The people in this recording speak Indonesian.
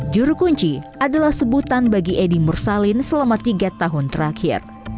juru kunci adalah sebutan bagi edi mursalin selama tiga tahun terakhir